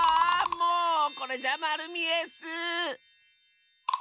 もうこれじゃまるみえッス！